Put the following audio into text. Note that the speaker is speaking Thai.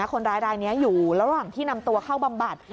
คนร้ายรายนี้อยู่ระหว่างที่นำตัวเข้าบำบัด